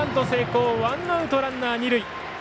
成功ワンアウト、ランナー、二塁。